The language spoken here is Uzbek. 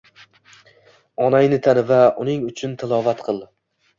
Onangni tani va unnng uchun tilovat qil.